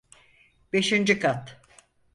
Beşinci kat.